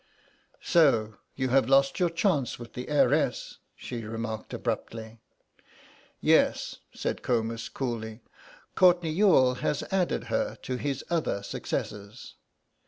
"So you have lost your chance with the heiress," she remarked abruptly. "Yes," said Comus, coolly; "Courtenay Youghal has added her to his other successes."